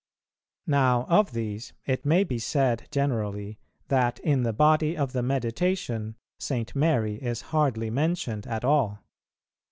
Now of these it may be said generally, that in the body of the Meditation St. Mary is hardly mentioned at all.